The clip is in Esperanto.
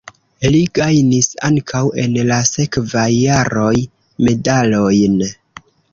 Li gajnis ankaŭ en la sekvaj jaroj medalojn.